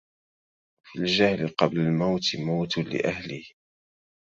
وفي الجهل قبل الموت موت لأهله